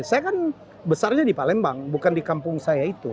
saya kan besarnya di palembang bukan di kampung saya itu